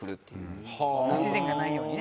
不自然がないようにね。